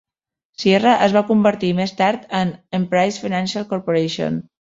Sierra es va convertir més tard en Emprise Financial Corporation.